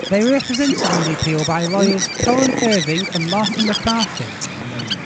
They were represented in the appeal by lawyers Colin Irving and Martha McCarthy.